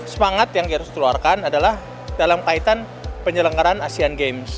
semangat yang harus dikeluarkan adalah dalam kaitan penyelenggaran asean games